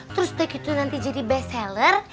terus begitu nanti jadi best seller